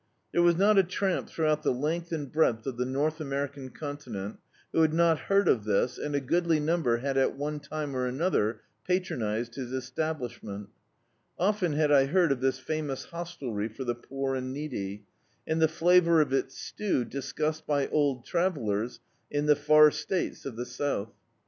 There was not a tramp throughout the length and breadth of the North American Con* tinent, who had not heard of this and a goodly number had at one time or another patronised his establishment Often had I heard of this famous hostelry for the poor and needy, and the flavour of its stew discussed by old travellers in the far States of the South.